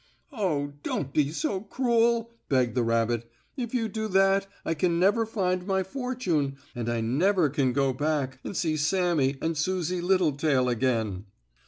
"Oh, don't be so cruel!" begged the rabbit. "If you do that I can never find my fortune, and I never can go back and see Sammie and Susie Littletail again."